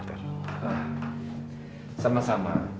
bahwa mereka ini orang orang kandungan yang mieux